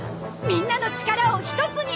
みんなの力をひとつに！